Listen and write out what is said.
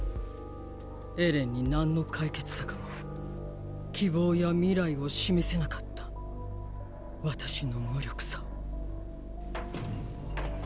エレンに何の解決策も希望や未来を示せなかった私の無力さを。